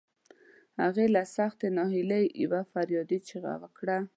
هغې له سختې ناهيلۍ يوه فریادي چیغه وکړه.